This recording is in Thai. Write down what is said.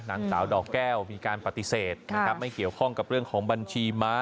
นางสาวดอกแก้วมีการปฏิเสธนะครับไม่เกี่ยวข้องกับเรื่องของบัญชีม้า